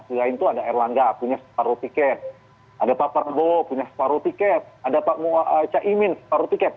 selain itu ada erlangga punya separuh tiket ada pak prabowo punya separuh tiket ada pak caimin separuh tiket